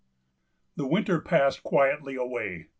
The Winter passed quietly away.